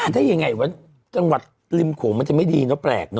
ถ้ายังไงจังหวัดริมโขงมันจะไม่ดีเนอะแปลกนะ